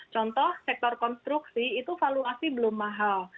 contoh sektor konstruksi itu valuasi belum mahal